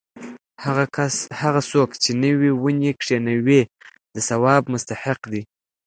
هغه څوک چې نوې ونې کښېنوي د ثواب مستحق دی.